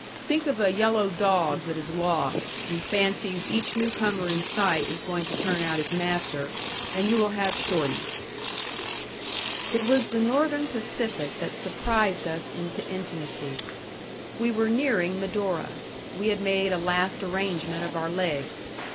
Think of a yellow dog that is lost, and fancies each newcomer in sight is going to turn out his master, and you will have Shorty. It was the Northern Pacific that surprised us into intimacy. We were nearing Medora. We had made a last arrangement of our legs.